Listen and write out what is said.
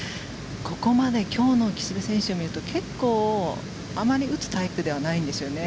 ここまで今日の岸部選手を見ると結構あまり打つタイプではないんですよね。